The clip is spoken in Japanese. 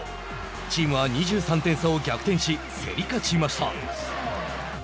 チームは２３点差を逆転し競り勝ちました。